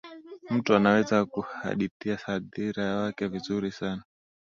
mtu anaweza kuhadithia hadhira wake vizuri sana